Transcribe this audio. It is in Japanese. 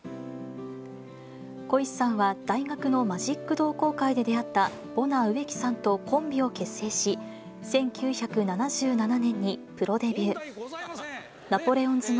小石さんは大学のマジック同好会で出会ったボナ植木さんとコンビを結成し、１９７７年にプロデビュー。